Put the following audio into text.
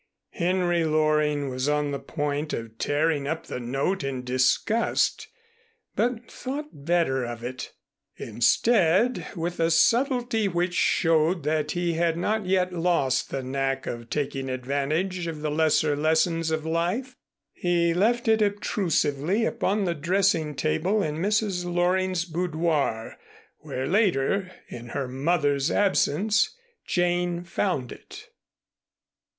Henry Loring was on the point of tearing up the note in disgust but thought better of it. Instead, with a subtlety which showed that he had not yet lost the knack of taking advantage of the lesser lessons of life, he left it obtrusively upon the dressing table in Mrs. Loring's boudoir, where later, in her mother's absence, Jane found it.